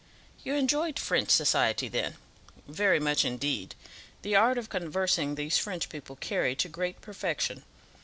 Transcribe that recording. "You enjoyed French society, then?" "Very much, indeed. The art of conversing these French people carry to great perfection.